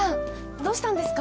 どうしたんですか？